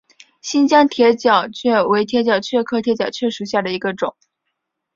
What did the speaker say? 新疆铁角蕨为铁角蕨科铁角蕨属下的一个种。